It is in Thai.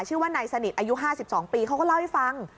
ชื่อว่านายสนิทอายุ๕๒ปีเขาก็เล่าให้ฟัง